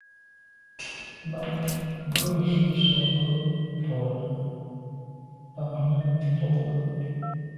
Mb’a’ ghù ju z’a ke’ bwô là Bam nà num mbwôge.